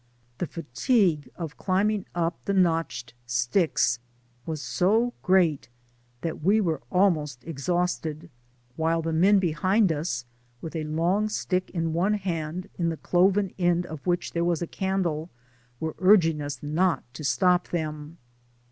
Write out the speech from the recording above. The fatigue of climbing up the notched sticks was so great, that we were almost exhausted, while the men behind us (with a long stick in one hand, in the cloven end of which there was a candle) wete urging us not to stop them.